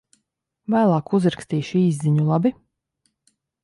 Vēlāk uzrakstīšu īsziņu, labi?